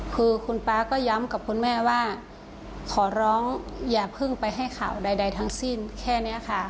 คือคุณป๊าก็ย้ำกับคุณแม่ว่าขอร้องอย่าเพิ่งไปให้ข่าวใดทั้งสิ้นแค่นี้ค่ะ